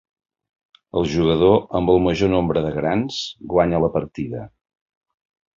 El jugador amb el major nombre de grans guanya la partida.